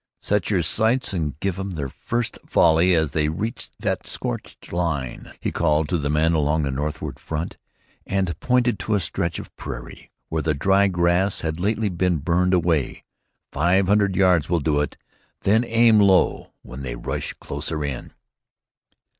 "Set your sights and give 'em their first volley as they reach that scorched line," he called to the men along the northward front, and pointed to a stretch of prairie where the dry grass had lately been burned away. "Five hundred yards will do it. Then aim low when they rush closer in."